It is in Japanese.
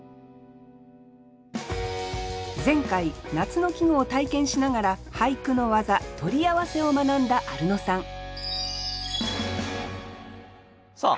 前回夏の季語を体験しながら俳句の技「取り合わせ」を学んだアルノさんさあ